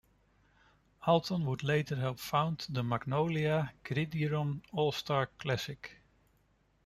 Alton would later help found the Magnolia Gridiron All-Star Classic.